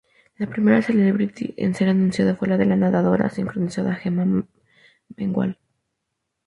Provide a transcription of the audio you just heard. La primera celebrity en ser anunciada fue la nadadora sincronizada Gemma Mengual.